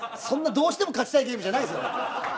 そんなどうしても勝ちたいゲームじゃないですよ。